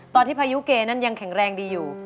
ตอนที่พยุเกย์นั้นยังแข็งแรงดีอยู่